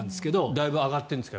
だいぶ上がってるんですか？